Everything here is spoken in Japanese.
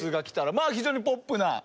まあ非常にポップな。